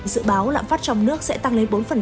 dự báo lạm phát trong nước sẽ tăng lên bốn